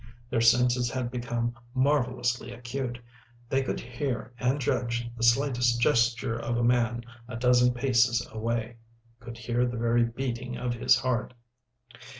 Their senses had become marvellously acute; they could hear and judge the slightest gesture of a man a dozen paces away—could hear the very beating of his heart.